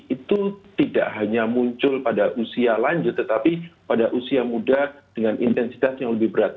itu tidak hanya muncul pada usia lanjut tetapi pada usia muda dengan intensitas yang lebih berat